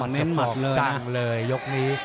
มัดกับศอกสร้างเลยยกนี้